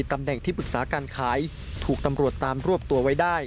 ตำแหน่งที่ปรึกษาการขายถูกตำรวจตามรวบตัวไว้ได้